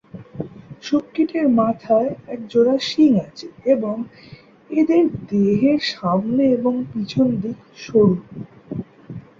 শূককীট এর মাথায় এক জোড়া শিং আছে এবং এদের দেহের সামনে এবং পিছন দিক সরু।